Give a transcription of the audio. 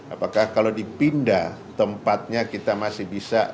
apakah kalau dipindah tempatnya kita masih bisa